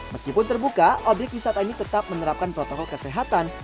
meskipun terbuka obyek wisata ini tetap menerapkan protokol kesehatan